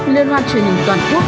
liên hoan truyền hình toàn quốc